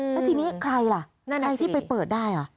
แล้วทีนี้ใครล่ะใครที่ไปเปิดได้